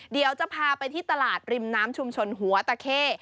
เดี๋ยวจะพาไปที่ตลาดริมน้ำชุมชนหัวตะเข้